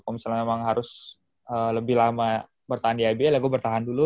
kalau misalnya memang harus lebih lama bertahan di ibl ya gue bertahan dulu